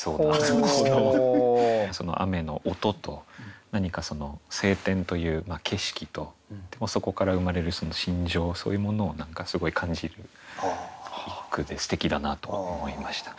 雨の音と何か晴天という景色とそこから生まれる心情そういうものを何かすごい感じる一句ですてきだなと思いました。